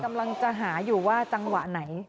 กำลังจะหาอยู่ว่าจังหวะไหน